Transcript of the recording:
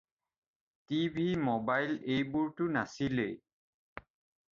TV mobile এইবোৰতো নাছিলেই।